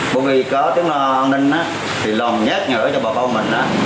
bởi vì có tiếng loa an ninh thì nồm nhát ngỡ cho bà công mình